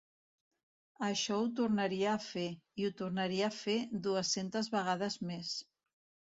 Això ho tornaria a fer, i ho tornaria a fer dues-centes vegades més.